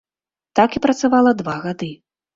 Так я працавала два гады.